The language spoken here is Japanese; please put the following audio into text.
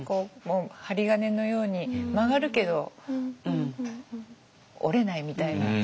針金のように曲がるけど折れないみたいな。